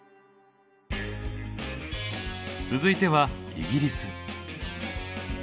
続いてはイギリス。